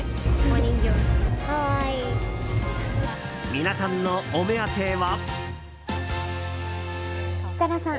皆さんのお目当ては。